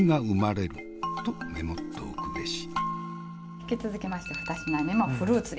引き続きまして二品目もフルーツで。